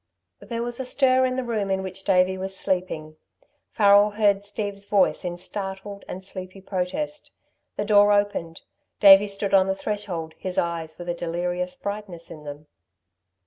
There was a stir in the room in which Davey was sleeping. Farrel heard Steve's voice in startled and sleepy protest. The door opened, Davey stood on the threshold his eyes with a delirious brightness in them.